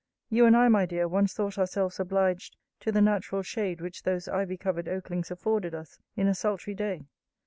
You and I, my dear, once thought ourselves obliged to the natural shade which those ivy covered oaklings afforded us, in a sultry day.